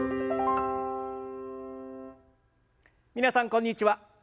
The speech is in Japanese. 皆さんこんにちは。